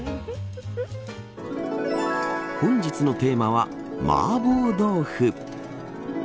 本日のテーマはマーボー豆腐。